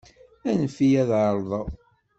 Anef-iyi ad ɛerḍeɣ.